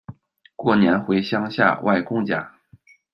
过年回乡下外公家